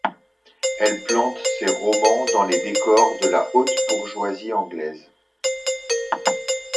Elle plante ses romans dans les décors de la haute bourgeoisie anglaise.